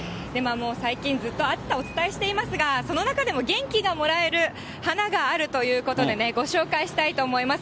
最近、ずっと暑さをお伝えしていますが、その中でも元気がもらえる花があるということでね、ご紹介したいと思います。